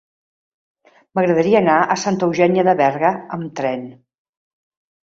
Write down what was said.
M'agradaria anar a Santa Eugènia de Berga amb tren.